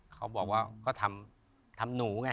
เขาบอกว่าก็ทำหนูไง